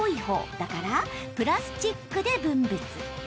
だからプラスチックで分別。